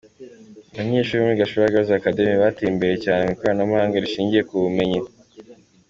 Abanyeshuri bo muri Gashora Girls Academy bateye imbere cyane mu ikoranabuhanga rishingiye ku bumenyi.